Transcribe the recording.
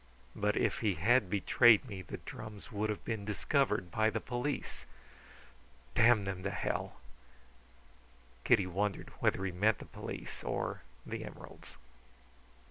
But if he had betrayed me the drums would have been discovered by the police.... Damn them to hell!" Kitty wondered whether he meant the police or the emeralds.